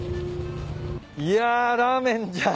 いやラーメンじゃん。